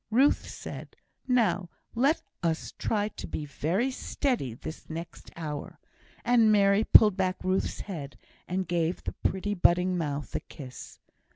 Ruth said, "Now, do let us try to be very steady this next hour," and Mary pulled back Ruth's head, and gave the pretty budding mouth a kiss.